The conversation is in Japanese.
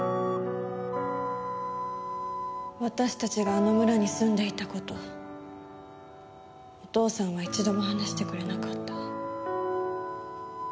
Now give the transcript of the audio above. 私たちがあの村に住んでいた事お父さんは一度も話してくれなかった。